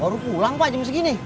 baru pulang pak jam segini